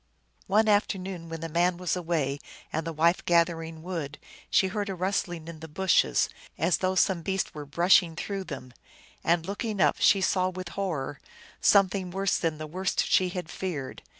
One afternoon, when the man was away and the wife gathering wood, she heard a rustling in the bushes, as though some beast were brushing through them, and, looking up, she saw with horror something worse than the worst she had feared.